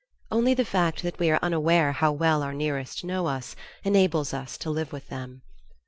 Only the fact that we are unaware how well our nearest know us enables us to live with them.